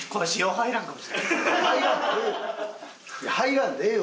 入らんでええよ